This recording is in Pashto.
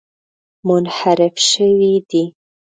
منحرف شوي دي.